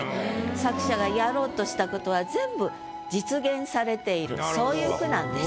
作者がやろうとしたことは全部実現されているそういう句なんです。